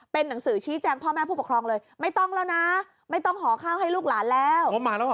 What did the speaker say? เป็นหนังสือชี้แจงพ่อแม่ผู้ปกครองเลยไม่ต้องแล้วนะไม่ต้องหอข้าวให้ลูกหลานแล้วงบมาแล้วเห